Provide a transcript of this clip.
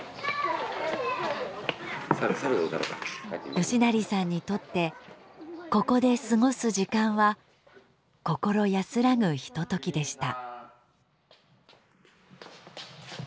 嘉成さんにとってここで過ごす時間は心安らぐひとときでした。